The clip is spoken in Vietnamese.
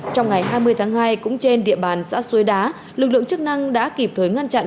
trong ngày hai mươi tháng hai cũng trên địa bàn xã suối đá lực lượng chức năng đã kịp thời ngăn chặn